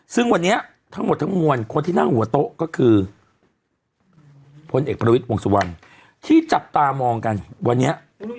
ซึ่งวันนี้ทั้งหมดทั้งมวลคนที่นั่งหัวโต๊ะก็คือพลเอกประวิทย์วงสุวรรณที่จับตามองกันวันนี้